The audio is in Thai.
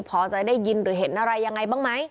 พอจะได้ยินหรือเห็นอะไรยังไงบ้างไหม